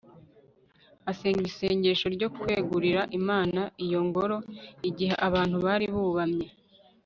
asenga isengesho ryo kwegurira imana iyo ngoro. igihe abantu bari bubamye